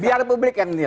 biar publik yang menilai